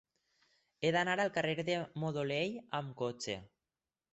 He d'anar al carrer de Modolell amb cotxe.